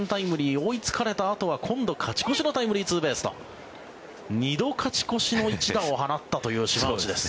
追いつかれたあとは今度、勝ち越しのタイムリーツーベースと２度勝ち越しの一打を放ったという島内です。